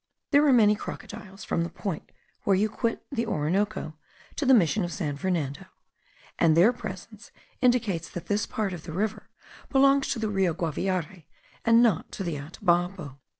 There are many crocodiles from the point where you quit the Orinoco to the mission of San Fernando, and their presence indicates that this part of the river belongs to the Rio Guaviare and not to the Atabapo.